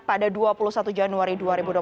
pada dua puluh satu januari dua ribu dua puluh